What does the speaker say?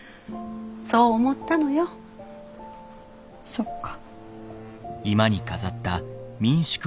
そっか。